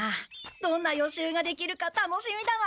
どんな予習ができるか楽しみだな！